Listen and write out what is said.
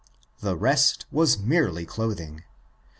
The rest was merely clothing.